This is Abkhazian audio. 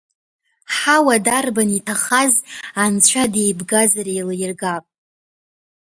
Ҳауа дарбан иҭахаз Анцәа деибгазар еилиргап.